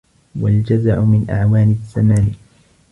وَالْجَزَعُ مِنْ أَعْوَانِ الزَّمَانِ